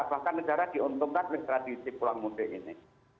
bahkan negara diuntungkan oleh tradisi pulang mudik ini